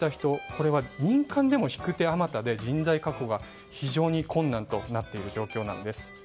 これは民間でも引く手あまたで人材確保が非常に困難となっている状況なんです。